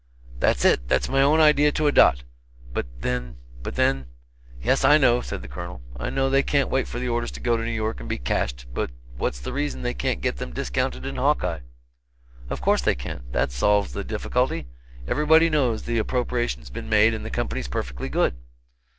"That's it that's my own idea to a dot. But then but then " "Yes, I know," said the Colonel; "I know they can't wait for the orders to go to New York and be cashed, but what's the reason they can't get them discounted in Hawkeye?" "Of course they can. That solves the difficulty. Everybody knows the appropriation's been made and the Company's perfectly good."